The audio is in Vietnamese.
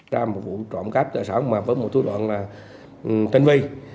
ra một vụ trộm cáp tại xã hồng hà phước một thủ đoạn là tân vi